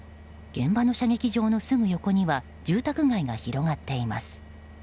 現場の射撃場のすぐ横には住宅街が広がっています。